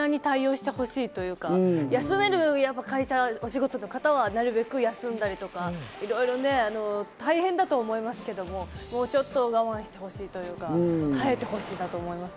会社や学校も柔軟に対応してほしいというか、休める会社の方はなるべく休んだりとか、大変だと思いますけど、もうちょっと我慢してほしいというか、耐えてほしいなと思います。